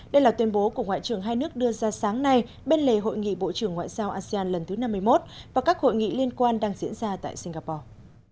đây là tuyên bố của ngoại trưởng hai nước đưa ra sáng nay bên lề hội nghị bộ trưởng ngoại giao asean lần thứ năm mươi một và các hội nghị liên quan đang diễn ra tại singapore